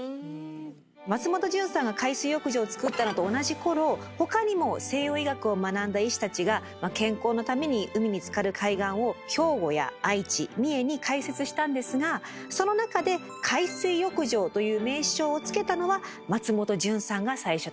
松本順さんが海水浴場をつくったのと同じころ他にも西洋医学を学んだ医師たちが健康のために海につかる海岸を兵庫や愛知三重に開設したんですがその中で「海水浴場」という名称をつけたのは松本順さんが最初だったということです。